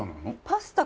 パスタ